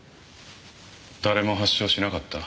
誰も発症しなかった？